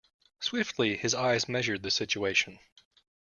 Swiftly his eyes measured the situation.